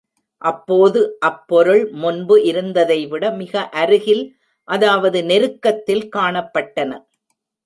அப்போது அப்பொருள் முன்பு இருந்ததைவிட மிக அருகில் அதாவது நெருக்கத்தில் காணப்பட்டன!